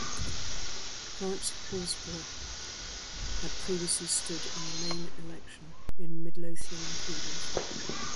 Florence Horsbrugh had previously stood in the main election in Midlothian and Peebles.